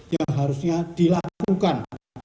yang harusnya dilakukan